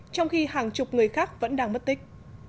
trong khi hàng chục người khác vẫn đang mất tích